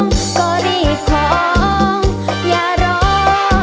แม่หรือพี่จ๋าบอกว่าจะมาขอมัน